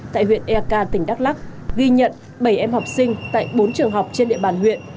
tại huyện eak tỉnh đắk lắc ghi nhận bảy em học sinh tại bốn trường học trên địa bàn huyện